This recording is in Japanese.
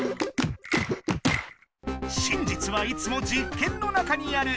じつはいつも実験の中にある！